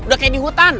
udah kayak di hutan